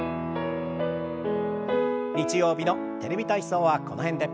日曜日の「テレビ体操」はこの辺で。